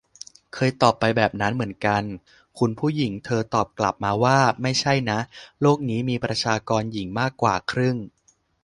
เคยตอบไปแบบนั้นเหมือนกัน คุณผู้หญิงเธอตอบกลับมาว่า ไม่ใช่นะ โลกนี้มีประชากรหญิงมากกว่าครึ่ง !